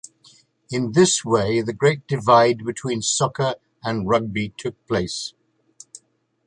In this way the great divide between soccer and rugby took place.